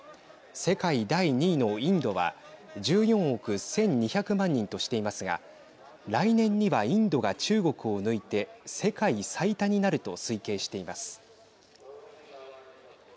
世界第２位のインドは１４億１２００万人としていますが来年には、インドが中国を抜いて世界最多になると推計しています。